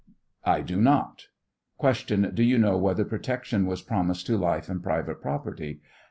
I do not, Q. Do you know whether protection was promised to life and private property